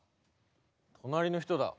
隣の人だ。